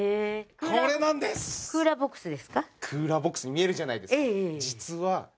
クーラーボックスに見えるじゃないですか。